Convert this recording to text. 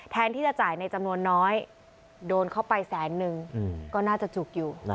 ที่จะจ่ายในจำนวนน้อยโดนเข้าไปแสนนึงก็น่าจะจุกอยู่